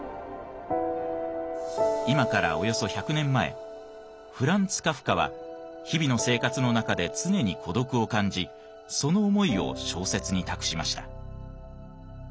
今からおよそ１００年前フランツ・カフカは日々の生活の中で常に孤独を感じその思いを小説に託しました。